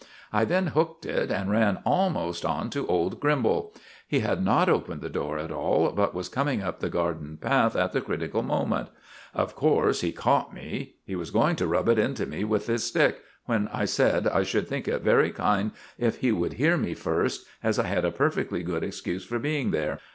I then hooked it, and ran almost on to old Grimbal. He had not opened the door at all, but was coming up the garden path at the critical moment. Of course, he caught me. He was going to rub it into me with his stick, when I said I should think it very kind if he would hear me first, as I had a perfectly good excuse for being there.